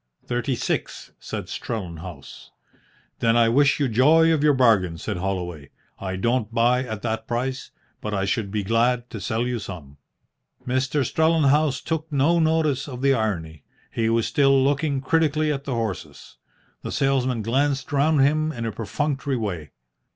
"Thirty six," said Strellenhaus. "Then I wish you joy of your bargain," said Holloway. "I don't buy at that price, but I should be glad to sell you some." Mr. Strellenhaus took no notice of the irony. He was still looking critically at the horses. The salesman glanced round him in a perfunctory way.